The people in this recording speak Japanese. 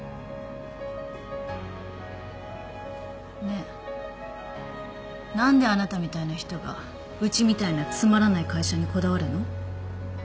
ねえ何であなたみたいな人がうちみたいなつまらない会社にこだわるの？